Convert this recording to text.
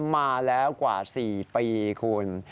มาแล้วกว่า๔ปีคุณ